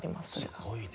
すごいね。